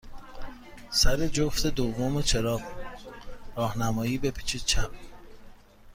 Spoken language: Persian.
سر جفت دوم چراغ راهنمایی، بپیچید چپ.